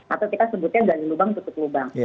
atau kita sebutnya gaji lubang tutup lubang